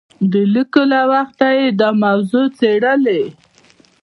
د لیکلو له وخته یې دا موضوع څېړلې.